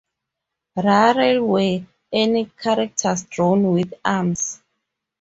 Rarely were any characters drawn with arms.